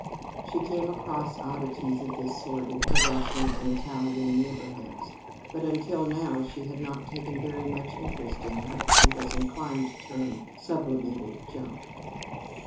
She came across oddities of this sort in her Russian and Italian neighborhoods, but until now she had not taken very much interest in what she was inclined to term "sublimated junk."